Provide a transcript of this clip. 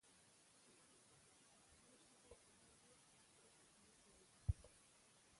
په افغانستان کې ځمکنی شکل خورا ډېر او پوره اهمیت لري.